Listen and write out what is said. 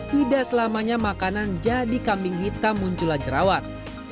tidak selamanya makanan jadi kambing hitam munculan jerawat